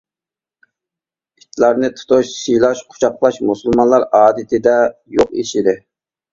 ئىتلارنى تۇتۇش، سىيلاش، قۇچاقلاش مۇسۇلمانلار ئادىتىدە يوق ئىش ئىدى.